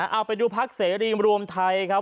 เอาไปดูพักเสรีรวมไทยครับ